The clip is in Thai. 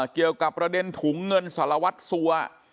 เกี่ยวกับประเด็นถุงเงินสารวัตรสัว